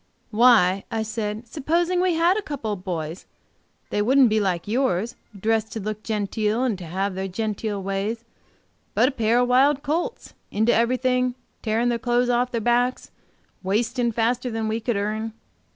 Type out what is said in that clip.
"Why, I said, supposing we had a couple, of boys, they wouldn't be like yours, dressed to look genteel and to have their genteel ways but a pair of wild colts, into everything, tearing their clothes off their backs, and wasting faster than we could earn.